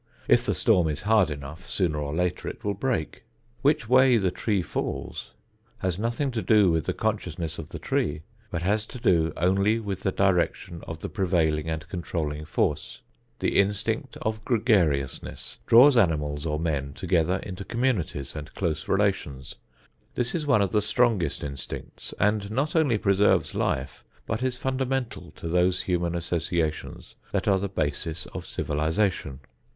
If the storm is hard enough, sooner or later it will break. Which way the tree falls has nothing to do with the consciousness of the tree, but has to do only with the direction of the prevailing and controlling force. The instinct of gregariousness draws animals or men together into communities and close relations. This is one of the strongest instincts and not only preserves life but is fundamental to those human associations that are the basis of civilization.